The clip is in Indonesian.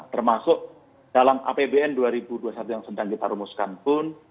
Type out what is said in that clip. termasuk dalam apbn dua ribu dua puluh satu yang sedang kita rumuskan pun